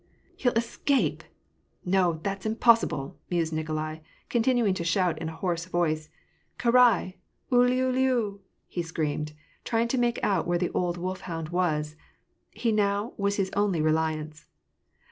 '' He'll escape ! No, that's impossible I " mused Nikolai, continuing to shout in a hoarse voice, —" Karai ! Uliuliu I " he screamed, trying to make out where the old wolf hound was ; he was now his only reliance.